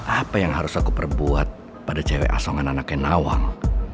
apa yang harus aku perbuat pada cewek asongan anaknya nawang